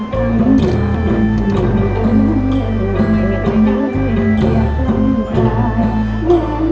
ไม่อยากรักใครไม่อยากรัก